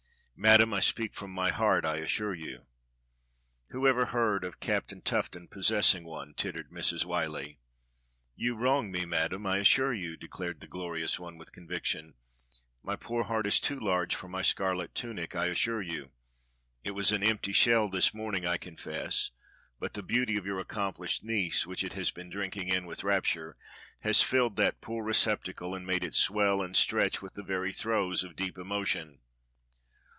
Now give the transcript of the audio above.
"Madam, I speak from my heart, I assure you." "Whoever heard of Captain Tuffton possessing one.'^" tittered Mrs. \Yhyllie. "You wrong me. Madam, I assure you," declared the glorious one with conviction. "My poor heart is too large for my scarlet tunic, I assure you. It was an empty shell this morning, I confess, but the beauty of your accomplished niece, which it has been drinking in with rapture, has filled that poor receptacle and made it swell and stretch with the very throes of deep emo tion."